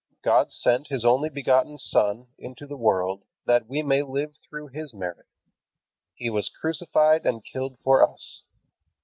God sent His only begotten Son into the world that we may live through His merit. He was crucified and killed for us.